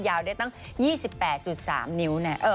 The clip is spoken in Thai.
ยาวได้ตั้งยี่สิบแปดจุดสามนิ้วแน่